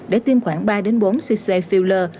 để tiêm khoảng ba bốn cc filler